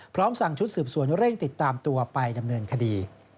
พร้อมสั่งชุดสืบสวนเร่งติดตามตัวไปดำเนินคดี